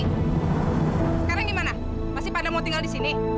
sekarang gimana masih pada mau tinggal di sini